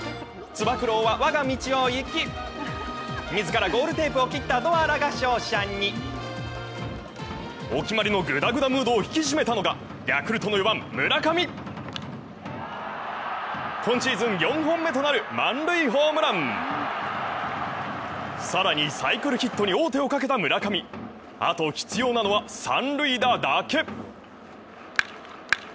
つば九郎は我が道を行き、自らゴールテープを切ったドアラが勝者にお決まりのグダグダムードを引き締めたのか、ヤクルトの４番・村上今シーズン４本目となる満塁ホームランさらにサイクルヒットに王手をかけた村上、あと必要なのは、三塁打。